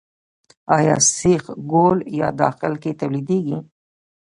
آیا سیخ ګول په داخل کې تولیدیږي؟